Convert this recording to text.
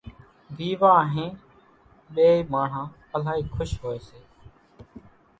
ويوا انۿين ٻيئيَ ماڻۿان الائِي کُش هوئيَ سي۔